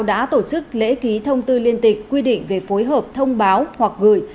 đã tổ chức lễ ký thông tư liên tịch quy định về phối hợp thông báo hoặc gửi